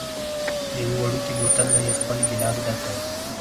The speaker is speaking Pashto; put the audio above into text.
له یوه وړوکي بوتل نه یې خپل ګېلاس ډک کړ.